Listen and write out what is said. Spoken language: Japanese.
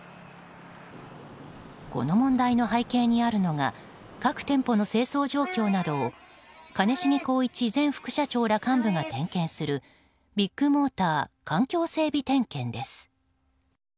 この問題の背景にあるのが各店舗の清掃状況などを兼重宏一前副社長らが点検するビッグモーター環境整備点検です。